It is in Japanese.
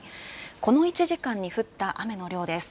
この１時間に降った雨の量です。